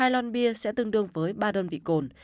hai lon bia sẽ tương đương với ba đơn vị cồn